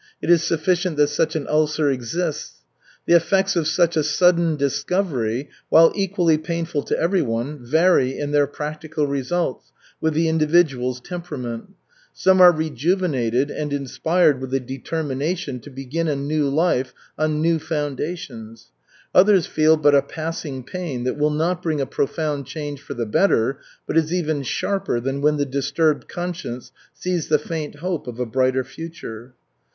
It is sufficient that such an ulcer exists. The effects of such a sudden discovery, while equally painful to everyone, vary in their practical results, with the individual's temperament. Some are rejuvenated and inspired with a determination to begin a new life on new foundations. Others feel but a passing pain that will not bring a profound change for the better, but is even sharper than when the disturbed conscience sees the faint hope of a brighter future.